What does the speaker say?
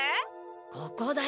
ここだよ！